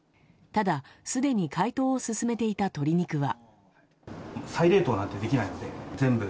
ただ、すでに解凍を進めていた鶏肉は。